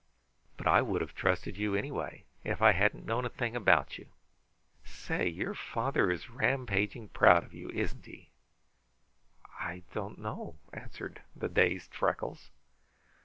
But I would have trusted you anyway, if I hadn't known a thing about you. Say, your father is rampaging proud of you, isn't he?" "I don't know," answered the dazed Freckles.